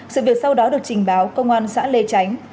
sự việc sau đó được trình báo công an xã lê tránh